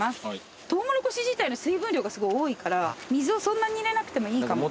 トウモロコシ自体の水分量がすごい多いから水をそんなに入れなくてもいいかも。